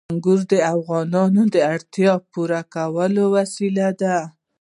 انګور د افغانانو د اړتیاوو د پوره کولو وسیله ده.